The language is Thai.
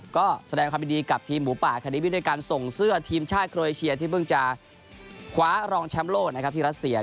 ก็แสดงความยินดีกับทีมหมูป่าคานิวิตด้วยการส่งเสื้อทีมชาติโครเอเชียที่เพิ่งจะคว้ารองแชมป์โลกนะครับที่รัสเซีย